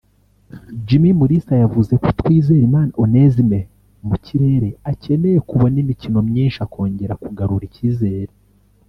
Jimmy Mulisa yavuze ko Twizerimana Onesme (mu kirere) akeneye kubona imikino myinshi akongera kugarura icyizere